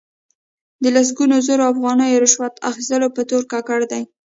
د لسګونو زرو افغانیو رشوت اخستلو په تور ککړ دي.